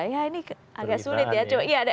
ya ini agak sulit ya